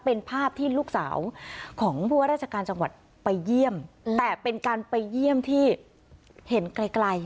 เป็นภาพที่ลูกสาวของผู้ว่าราชการจังหวัดไปเยี่ยมแต่เป็นการไปเยี่ยมที่เห็นไกลไกล